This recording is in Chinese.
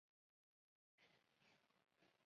恨这部电影！